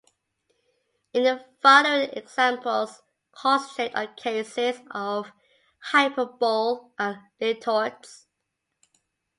In the following examples concentrate on cases of hyperbole and litotes.